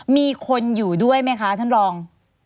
มีคนอยู่ด้วยไหมคะท่านรอง